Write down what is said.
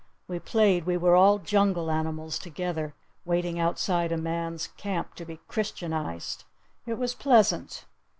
We played we were all jungle animals together waiting outside a man's camp to be Christianized. It was pleasant.